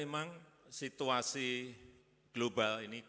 dan memang situasi global ini konfirmasi